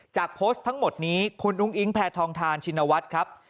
โพสต์ทั้งหมดนี้คุณอุ้งอิงแพทองทานชินวัฒน์ครับ